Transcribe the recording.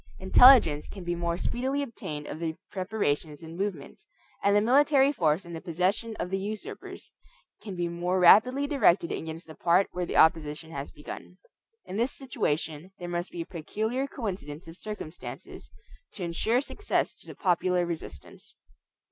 Intelligence can be more speedily obtained of their preparations and movements, and the military force in the possession of the usurpers can be more rapidly directed against the part where the opposition has begun. In this situation there must be a peculiar coincidence of circumstances to insure success to the popular resistance.